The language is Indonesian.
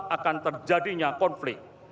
akan terjadinya konflik